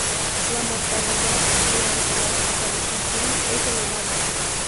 La mortalidad durante la hospitalización es elevada.